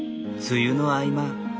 梅雨の合間。